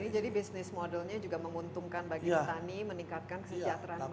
jadi bisnis modelnya juga menguntungkan bagi petani meningkatkan kesejahteraan mereka